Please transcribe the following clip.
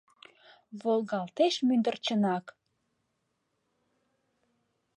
Волгалтеш мӱндӱрчынак.